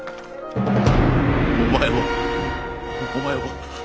お前はお前は。